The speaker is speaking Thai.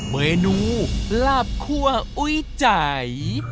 เมนูลาบคั่วอุ๊ยใจ